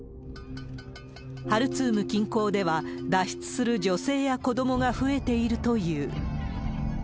ハルツーム近郊では、脱出する女性や子どもが増えているという。